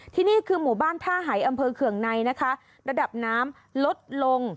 ที่นี่คือหมู่บ้านท่าหายอำเภอเคืองในนะคะระดับน้ำลดลง